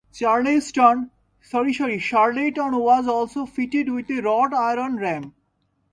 "Charleston" was also fitted with a wrought-iron ram.